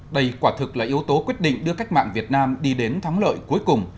đây quả thực là yếu tố quyết định đưa cách mạng việt nam đi đến thắng lợi cuối cùng